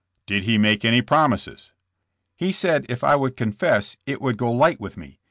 "Did he make any promises?" "He said if I would confess it would go light with me.